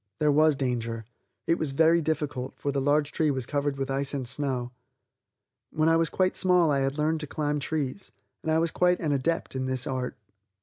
There was danger. It was very difficult, for the large tree was covered with ice and snow. When I was quite small I had learned to climb trees, and I was quite an adept in this art.